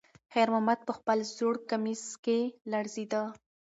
خیر محمد په خپل زوړ کمیس کې لړزېده.